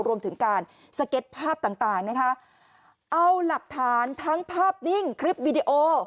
รวมถึงการสเก็ตภาพต่างต่างนะคะเอาหลักฐานทั้งภาพนิ่งคลิปวิดีโอ